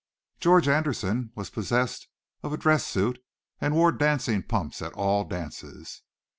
George Anderson was possessed of a dress suit, and wore dancing pumps at all dances.